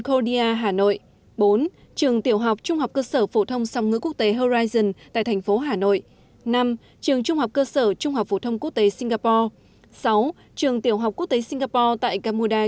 chín trường tiểu học trung học cơ sở trung học phổ thông quốc tế st paul